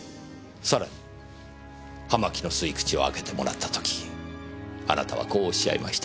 さらに葉巻の吸い口を開けてもらった時あなたはこうおっしゃいました。